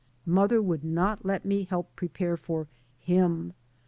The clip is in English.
Mother would not let me help prepare for " him."